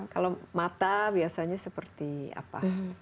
kalau mata biasanya seperti apa